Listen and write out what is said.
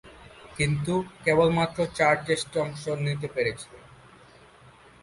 কিন্তু, কেবলমাত্র চার টেস্টে অংশ নিতে পেরেছিলেন।